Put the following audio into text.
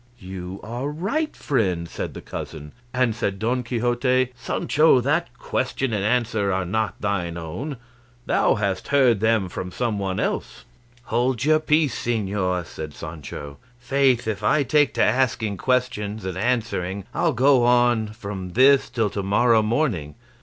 "You are right, friend," said the cousin; and said Don Quixote, "Sancho, that question and answer are not thine own; thou hast heard them from some one else." "Hold your peace, señor," said Sancho; "faith, if I take to asking questions and answering, I'll go on from this till to morrow morning.